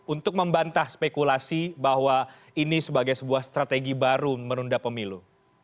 untuk membantah spekulasi bahwa ini sebagai sebuah strategi baru menunda pemilu